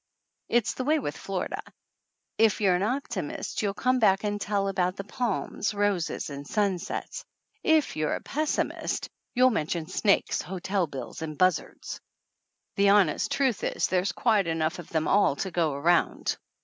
It's the way with Florida. If you're an opti mist you'll come back and tell about the palms, roses and sunsets. If you're a pessimist you'll 260 THE ANNALS OF ANN mention snakes, hotel bills and buzzards. The honest truth is there's quite enough of them all to go around.